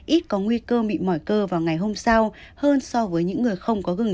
ít có nguy cơ bị mỏi cơ vào ngày hôm sau hơn so với những người không có gừng